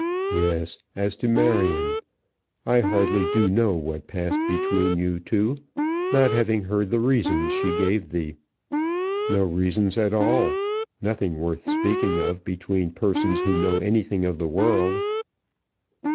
"Yes, as to Marion. I hardly do know what passed between you two, not having heard the reasons she gave thee." "No reasons at all; nothing worth speaking of between persons who know anything of the world."